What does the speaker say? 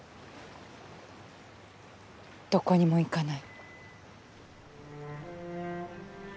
どこにも行かない。